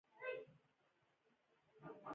پټه پڅه نه ده زده.